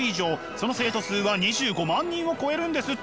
その生徒数は２５万人を超えるんですって。